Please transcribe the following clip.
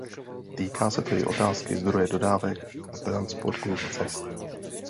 Týká se to i otázky zdroje dodávek a transportních cest.